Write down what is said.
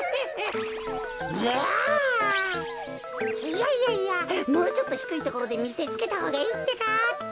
いやいやいやもうちょっとひくいところでみせつけたほうがいいってか。